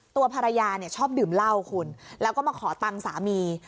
ตัวภรรยาเนี่ยชอบดื่มเหล้าคุณแล้วก็มาขอตังค์สามี